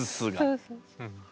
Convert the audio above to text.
そうそう。